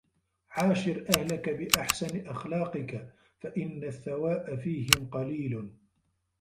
عَاشِرْ أَهْلَك بِأَحْسَنِ أَخْلَاقِك فَإِنَّ الثَّوَاءَ فِيهِمْ قَلِيلٌ